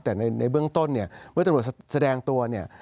แต่ในเบื้องต้นเนี่ยเมื่อตำรวจแสดงตัวเนี่ย